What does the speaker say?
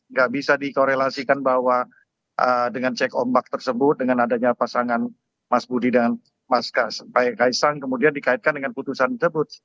nggak bisa dikorelasikan bahwa dengan cek ombak tersebut dengan adanya pasangan mas budi dan mas kaisang kemudian dikaitkan dengan putusan tersebut